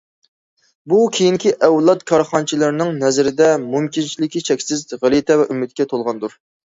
بۇ كېيىنكى ئەۋلاد كارخانىچىلارنىڭ نەزىرىدە مۇمكىنچىلىكى چەكسىز، غەلىتە ۋە ئۈمىدكە تولغاندۇر.